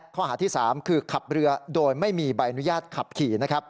๓ขับเรือโดยไม่มีใบอนุญาตขับขี่